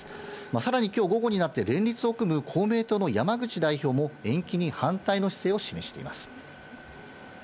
さらにきょう午後になって、連立を組む公明党の山口代表も、延期に反対の姿勢を示しています。